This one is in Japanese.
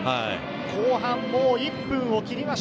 後半、１分を切りました。